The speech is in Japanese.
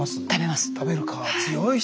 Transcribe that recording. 食べるか強い人。